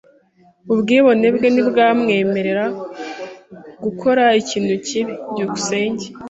Ubwibone bwe ntibwamwemerera gukora ikintu kibi. byukusenge